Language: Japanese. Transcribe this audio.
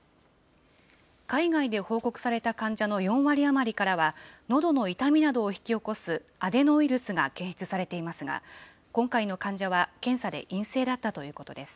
海外で報告された患者の４割あまりからは、のどの痛みなどを引き起こすアデノウイルスが検出されていますが、今回の患者は検査で陰性だったということです。